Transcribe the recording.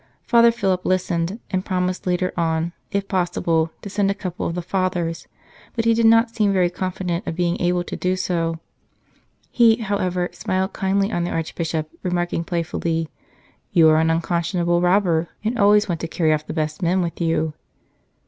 Father Philip listened, and promised later on, if possible, to send a couple of the Fathers, but he did not seem very confident of being able to do so. He, however, smiled kindly on the Archbishop, remarking playfully :" You are an unconscionable A Nest of Saints robber, and always want to carry off the best men with you."